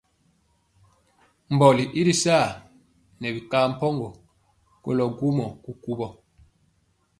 Mbɔli i ri saa nɛ binkambɔgɔ kolɔ gwomɔ kukuwɔ.